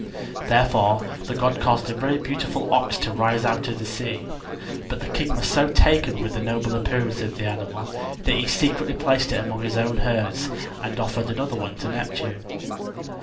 Therefore the god caused a very beautiful ox to rise out of the sea. But the king was so taken with the noble appearance of the animal that he secretly placed it among his own herds and offered another to Neptune.